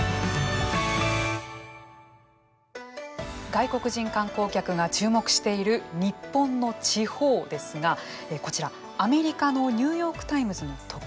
外国人観光客が注目している日本の地方ですがこちらアメリカのニューヨーク・タイムズの特別版です。